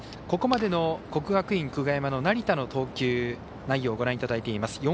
ここまでの国学院久我山の成田の投球内容をご覧いただいています。